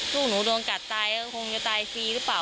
ลูกหนูโดนกัดตายก็คงจะตายฟรีหรือเปล่า